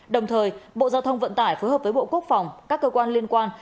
đồng thời bộ giao thông vận tải phối hợp với bộ quốc phòng các cơ quan liên quan